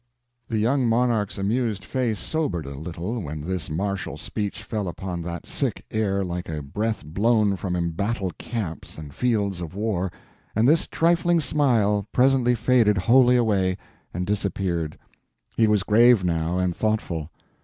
The young monarch's amused face sobered a little when this martial speech fell upon that sick air like a breath blown from embattled camps and fields of war, and this trifling smile presently faded wholly away and disappeared. He was grave now, and thoughtful.